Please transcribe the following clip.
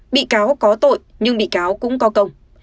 bị cáo có tội nhưng bị cáo cũng có công